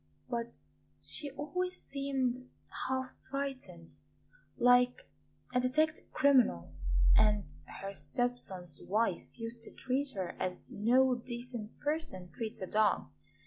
But she always seemed half frightened, like a detected criminal; and her step son's wife used to treat her as no decent person treats a dog.